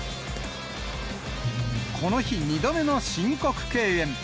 この日２度目の申告敬遠。